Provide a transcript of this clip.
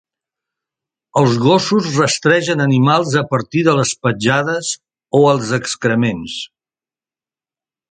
Els gossos rastregen animals a partir de les petjades o els excrements.